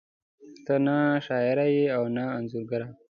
ته نه شاعره ېې او نه انځورګره